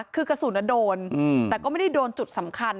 คือกระสุนโดนแต่ก็ไม่ได้โดนจุดสำคัญ